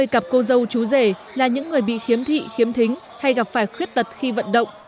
hai mươi cặp cô dâu chú rể là những người bị khiếm thị khiếm thính hay gặp phải khuyết tật khi vận động